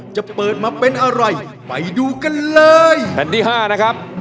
จะอ่านเนื้อเพลงต้นฉบับให้ฟังครับ